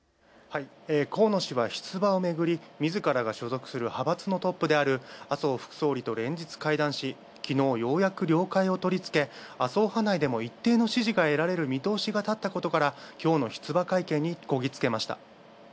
河野氏は出馬をめぐり自らが所属する派閥のトップの麻生副総理と連日会談し昨日ようやく了解を取り付け、麻生派内でも一定の支持の見通しが立ったことから出馬会見に取り付けました。